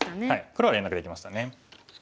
黒は連絡できましたね。